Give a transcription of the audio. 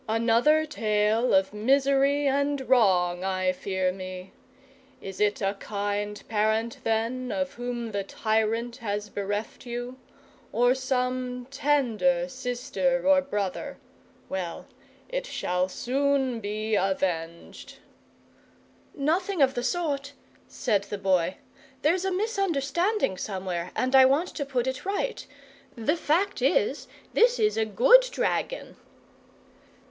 "Another tale of misery and wrong, I fear me. Is it a kind parent, then, of whom the tyrant has bereft you? Or some tender sister or brother? Well, it shall soon be avenged." "Nothing of the sort," said the Boy. "There's a misunderstanding somewhere, and I want to put it right. The fact is, this is a GOOD dragon."